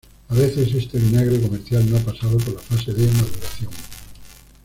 A veces este vinagre comercial no ha pasado por la fase de maduración.